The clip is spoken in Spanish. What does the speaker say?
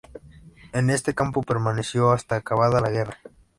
En este campo permaneció hasta acabada la guerra.